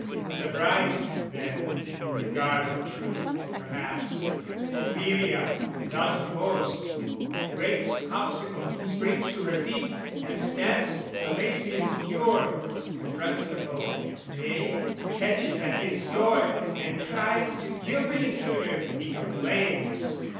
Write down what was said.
Surprised, then, in the garb of truth, perhaps, Pompilia, thus opposed, breaks obstacle, Springs to her feet, and stands Thalassian pure, Confronts the foe, nay, catches at his sword And tries to kill the intruder, he complains.